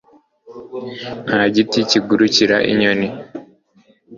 nta giti kigurukira inyoni